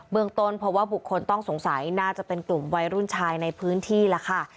เมืองต้นเพราะว่าบุคคลต้องสงสัยน่าจะเป็นกลุ่มวัยรุ่นชายในพื้นที่ล่ะค่ะ